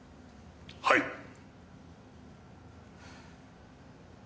はい。